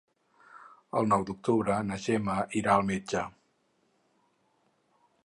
El nou d'octubre na Gemma irà al metge.